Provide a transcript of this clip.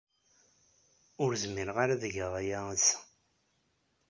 Ur zmireɣ ara ad geɣ aya ass-a.